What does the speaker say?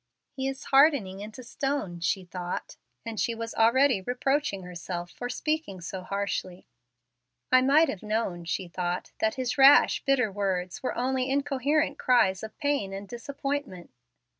"He is hardening into stone," she thought; and she was already reproaching herself for speaking so harshly. "I might have known," she thought, "that his rash, bitter words were only incoherent cries of pain and disappointment."